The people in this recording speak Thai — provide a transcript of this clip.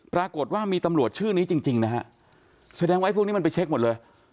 ปรากฏว่ามีตำรวจชื่อนี้จริงนะฮะแสดงว่าพวกนี้มันไปเช็คหมดเลย